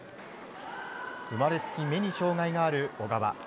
生まれつき目に障害がある小川。